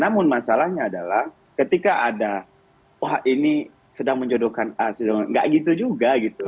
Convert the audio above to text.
nah namun masalahnya adalah ketika ada wah ini sedang menjodohkan a sedang menjodohkan b gak gitu juga gitu